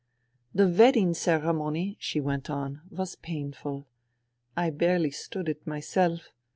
*' The wedding ceremony," she went on, " was painful. I barely stood it myself.